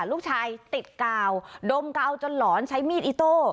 ลูกชายติดกาวดมกาวจนหลอนใช้มีดอิโต้